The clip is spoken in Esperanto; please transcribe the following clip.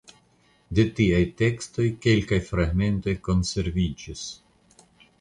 De tiaj tekstoj kelkaj fragmentoj konserviĝis.